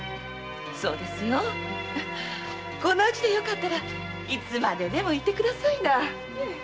そうですよ。こんな家でよければいつまででも居てくださいな。